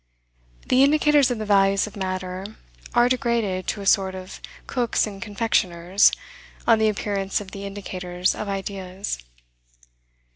The indicators of the values of matter are degraded to a sort of cooks and confectioners, on the appearance of the indicators of ideas.